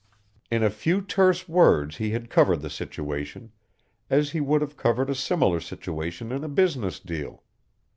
In a few terse words he had covered the situation, as he would have covered a similar situation in a business deal.